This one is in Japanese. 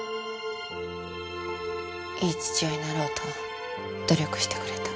いい父親になろうと努力してくれた。